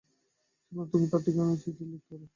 সুতরাং তুমি তাঁর ঠিকানায় চিঠি লিখতে পার।